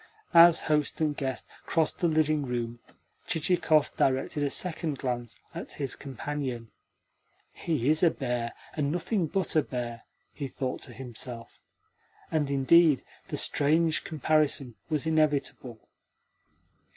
As host and guest crossed the dining room Chichikov directed a second glance at his companion. "He is a bear, and nothing but a bear," he thought to himself. And, indeed, the strange comparison was inevitable.